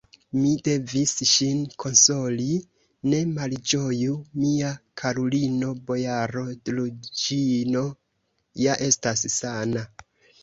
Mi devis ŝin konsoli: "ne malĝoju, mia karulino, bojaro Druĵino ja estas sana!"